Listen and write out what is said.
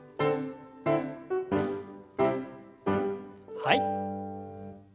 はい。